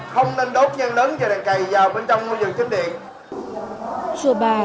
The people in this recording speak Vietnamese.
không nên đốt nhan lớn và đàn cày vào bên trong ngôi vườn chánh điện